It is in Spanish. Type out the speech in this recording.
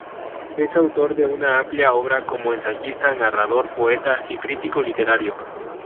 Es autor de una amplia obra como ensayista, narrador, poeta y crítico literario.